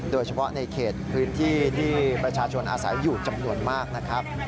โดยเฉพาะในเขตพื้นที่ที่ประชาชนอาศัยอยู่จำนวนมากนะครับ